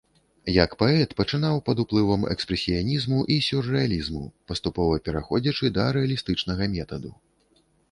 Як паэт пачынаў пад уплывам экспрэсіянізму і сюррэалізму, паступова пераходзячы да рэалістычнага метаду.